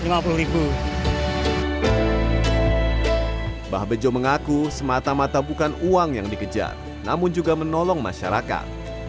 mbah bejo mengaku semata mata bukan uang yang dikejar namun juga menolong masyarakat